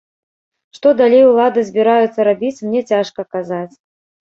Што далей улады збіраюцца рабіць, мне цяжка казаць.